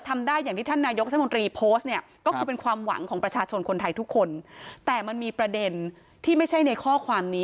มันมีประเด็นที่ไม่ใช่ในข้อความนี้